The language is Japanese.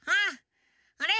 あれ？